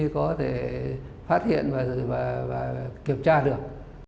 có thể phát hiện và kiểm tra được